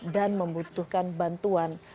dan membutuhkan bantuan